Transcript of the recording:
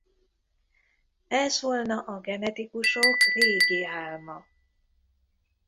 Ez volna a genetikusok régi álma!